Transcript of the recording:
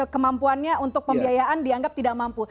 kemampuannya untuk pembiayaan dianggap tidak mampu